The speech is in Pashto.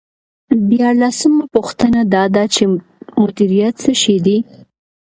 دیارلسمه پوښتنه دا ده چې مدیریت څه شی دی.